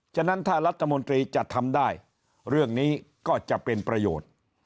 ฉะนั้นถ้ารัฐมนตรีจะทำได้เรื่องนี้ก็จะเป็นประโยชน์